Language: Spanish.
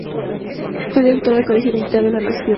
Fue Director del Colegio Militar de la Nación.